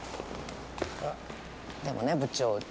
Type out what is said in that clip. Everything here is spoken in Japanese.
でもね部長。